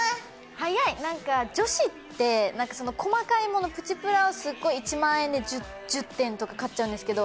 早い何か女子って何かその細かいものプチプラをすごい１万円で１０点とか買っちゃうんですけど